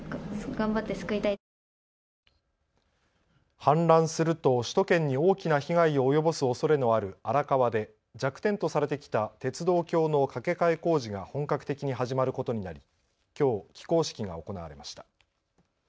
氾濫すると首都圏に大きな被害を及ぼすおそれのある荒川で弱点とされてきた鉄道橋の架け替え工事が本格的に始まることになり、きょう起工式が行われました。